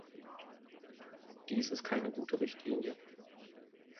Dies ist keine gute Richtlinie.